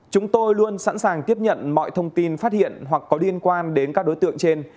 chúng tôi luôn sẵn sàng tiếp nhận mọi thông tin phát hiện hoặc có liên quan đến các đối tượng trên